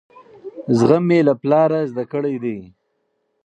زغم مې له پلاره زده کړی دی.